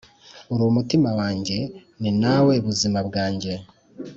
uri umutima wanjye ni nawe buzima bwanjye